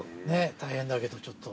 大変だけどちょっと。